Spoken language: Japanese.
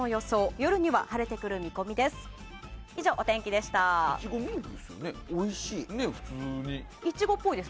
夜には晴れてくる見込みです。